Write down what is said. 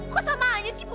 kok sama aja sih bu